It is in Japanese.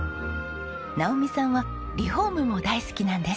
直己さんはリフォームも大好きなんです。